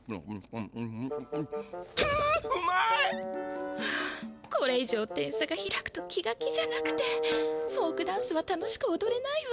かっうまい！はあこれい上点さが開くと気が気じゃなくてフォークダンスは楽しくおどれないわ。